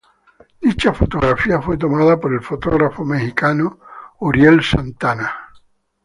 Dicha fotografía fue tomada por el fotógrafo mexicano Uriel Santana.